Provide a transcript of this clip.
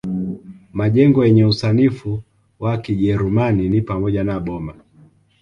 Majengo yenye usanifu wa Kijerumani ni pamoja na boma